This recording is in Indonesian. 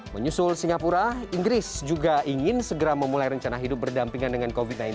menyusul singapura inggris juga ingin segera memulai rencana hidup berdampingan dengan covid sembilan belas